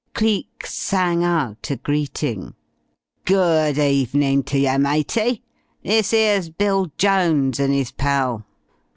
Cleek sang out a greeting. "Good evenin' to yer, matey! This 'ers's Bill Jones and 'is pal.